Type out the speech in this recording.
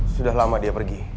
sudah lama dia pergi